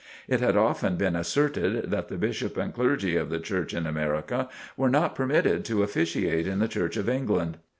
It had often been asserted that the Bishops and clergy of the Church in America were not permitted to officiate in the Church of England.